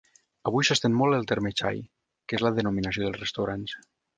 Avui s’estén molt el terme xai, que és la denominació dels restaurants.